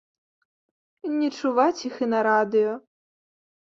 Не чуваць іх і на радыё.